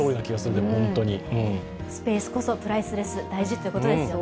スペースこそプライスレス、大事ということですよね。